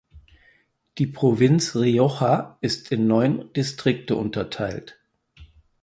Die Provinz Rioja ist in neun Distrikte unterteilt.